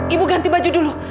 ibu ganti baju dulu